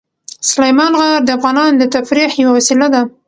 سلیمان غر د افغانانو د تفریح یوه وسیله ده.